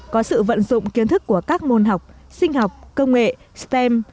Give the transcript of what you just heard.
có sự vận dụng kiến thức của các môn học sinh học công nghệ stem